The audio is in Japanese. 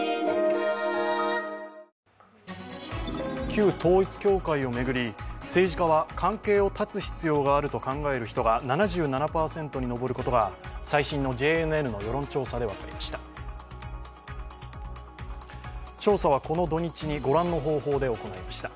旧統一教会を巡り政治家は関係を断つ必要があると考える人が７７％に上ることが最新のＪＮＮの世論調査で分かりました。